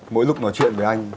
mỗi lúc nói chuyện với anh